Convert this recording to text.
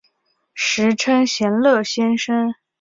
时称闲乐先生。